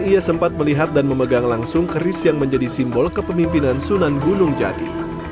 ia sempat melihat dan memegang langsung keris yang menjadi simbol kepemimpinan sunan gunung jati